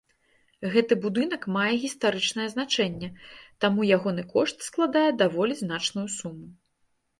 Гэты будынак мае гістарычнае значэнне, таму ягоны кошт складае даволі значную суму.